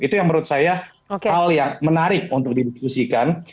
itu yang menurut saya hal yang menarik untuk didiskusikan